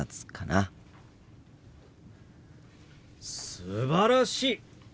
すばらしい！